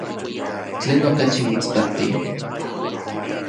¿Tlen okachi mitspaktia?